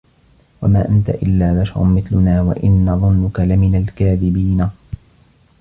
وَما أَنتَ إِلّا بَشَرٌ مِثلُنا وَإِن نَظُنُّكَ لَمِنَ الكاذِبينَ